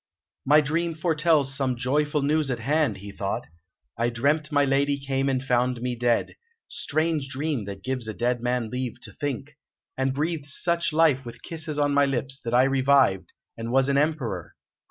"My dream foretells some joyful news at hand," he thought." I dreamt my lady came and found me dead strange dream that gives a dead man leave to think! and breathed such life with kisses on my lips that I revived, and was an emperor.